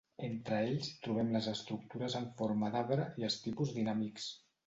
Entre ells trobem les estructures en forma d'arbre i els tipus dinàmics.